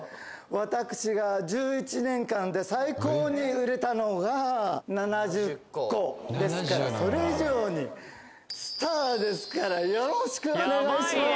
私が１１年間で最高に売れたのが７０個ですからそれ以上にスターですからよろしくお願いします